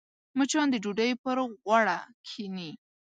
مچان د ډوډۍ پر غوړه کښېني